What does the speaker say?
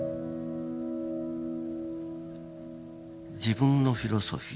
自分のフィロソフィー。